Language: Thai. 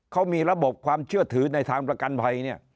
เขามีระบบความเชื่อถือในทางประกันภัยเนี่ย